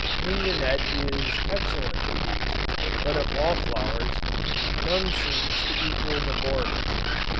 Mignonnette is excellent for bees, but of all flowers, none seems to equal the Borage.